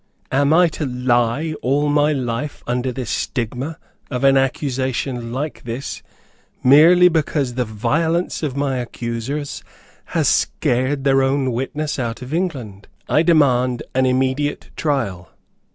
Am I to lie all my life under the stigma of an accusation like this, merely because the violence of my accusers has scared their own witness out of England? I demand an immediate trial.